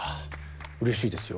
うれしいですよ